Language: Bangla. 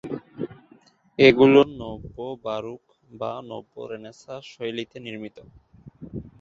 এগুলো নব্য-বারুক বা নব্য-রেনেসাঁ শৈলীতে নির্মিত।